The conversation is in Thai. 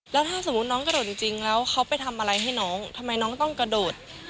แล้วถ้าสมมุติน้องกระโดดจริงแล้วเขาไปทำอะไรให้น้องทำไมน้องต้องกระโดด